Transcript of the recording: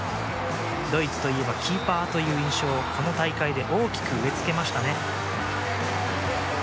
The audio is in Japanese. ドイツといえばキーパーという印象をこの大会で大きく植え付けましたね。